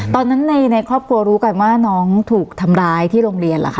ในครอบครัวรู้กันว่าน้องถูกทำร้ายที่โรงเรียนเหรอคะ